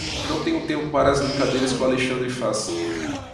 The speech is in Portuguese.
Não tenho tempo para as brincadeiras que o Alexandre faz.